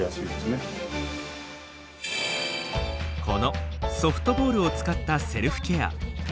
このソフトボールを使ったセルフケア。